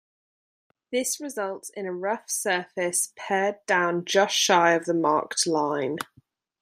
This results in a rough surface pared down just shy of the marked line.